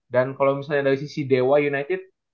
dan kalau misalnya dari sisi dewa united